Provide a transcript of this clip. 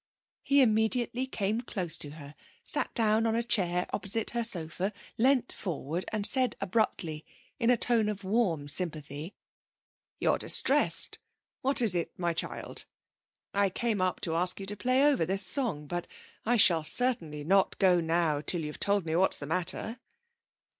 He immediately came close to her, sat down on a chair opposite her sofa, leant forward and said abruptly, in a tone of warm sympathy: 'You are distressed. What is it, my child? I came up to ask you to play over this song. But I shall certainly not go now till you've told me what's the matter.'